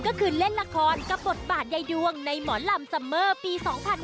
ก็คือเล่นละครกับบทบาทยายดวงในหมอลำซัมเมอร์ปี๒๕๕๙